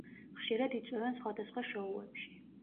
ხშირად იწვევენ სხვადასხვა შოუებში.